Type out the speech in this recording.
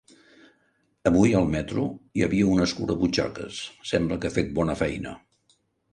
Avui, al metro, hi havia un escurabutxaques: sembla que ha fet bona feina.